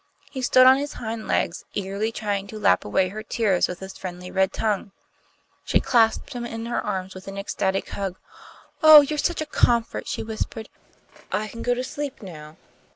He stood on his hind legs, eagerly trying to lap away her tears with his friendly red tongue. She clasped him in her arms with an ecstatic hug. "Oh, you're such a comfort!" she whispered. "I can go to sleep now."